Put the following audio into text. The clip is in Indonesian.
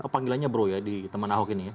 panggilannya bro ya di teman ahok ini ya